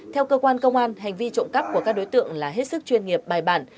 theo cơ quan công an hành vi trộm cắp của các đối tượng là hết sức chuyên nghiệp bài bản